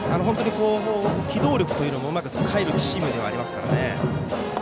機動力もうまく使えるチームではありますからね。